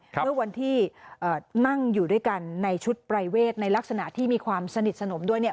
เมื่อวันที่นั่งอยู่ด้วยกันในชุดปรายเวทในลักษณะที่มีความสนิทสนมด้วยเนี่ย